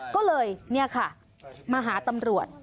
ก็เลยนี่ค่ะมาหาตำรวจ